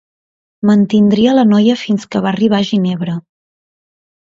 Mantindria la noia fins que va arribar a Ginebra.